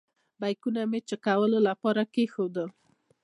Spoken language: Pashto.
بیکونه مې د چېک کولو لپاره کېښودل.